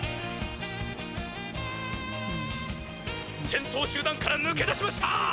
「先頭集団からぬけ出しました！